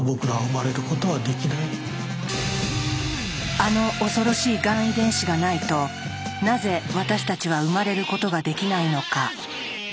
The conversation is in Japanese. あの恐ろしいがん遺伝子がないとなぜ私たちは生まれることができないのか。